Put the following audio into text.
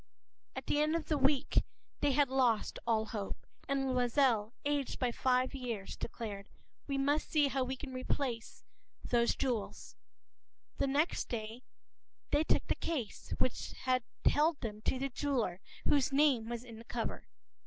p><INT>At the end of a week they had lost all hope. And Loisel, aged by five years, declared:—“We must see how we can replace those jewels.”The next day they took the case which had held them to the jeweler whose name was in the cover.